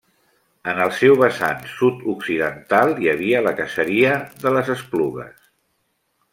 En el seu vessant sud-occidental hi havia la caseria de les Esplugues.